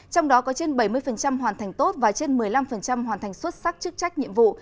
trong đó có trên bảy mươi hoàn thành tốt và trên một mươi năm hoàn thành xuất sắc chức trách nhiệm vụ